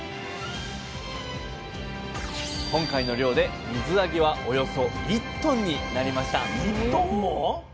今回の漁で水揚げはおよそ１ｔになりました